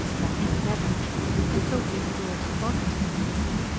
CHAPTER XI "I THOUGHT YOU HAD ALL FORGOTTEN."